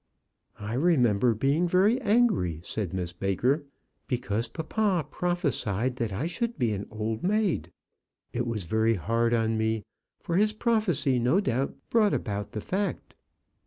"I remember being very angry," said Miss Baker, "because papa prophesied that I should be an old maid. It was very hard on me, for his prophecy no doubt brought about the fact."